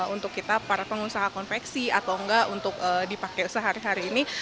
untuk kita para pengusaha konveksi atau enggak untuk dipakai sehari hari ini